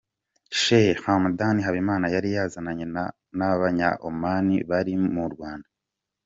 Sheikh Hamdan Habimana yari yazananye n'abanya-Oman bari mu Rwanda.